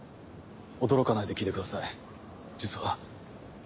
驚かないで聞いてください実は。